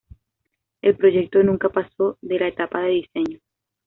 El proyecto nunca pasó de la etapa de diseño.